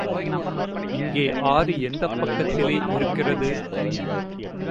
இங்கே ஆறு எந்தப் பக்கத்திலே இருக்கிறது?